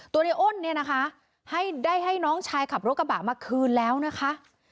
ในอ้นเนี่ยนะคะให้ได้ให้น้องชายขับรถกระบะมาคืนแล้วนะคะ